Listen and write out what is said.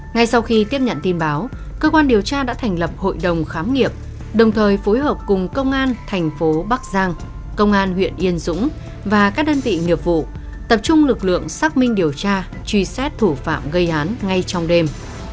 ngay sau khi tiếp nhận tin báo cơ quan điều tra đã thành lập hội đồng khám nghiệm đồng thời phối hợp cùng công an thành phố bắc giang công an huyện yên dũng và các đơn vị nghiệp vụ tập trung lực lượng xác minh điều tra truy xét thủ phạm gây án ngay trong đêm